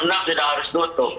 jam enam sudah harus ditutup